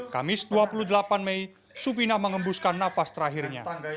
kamis dua puluh delapan mei supina mengembuskan nafas terakhirnya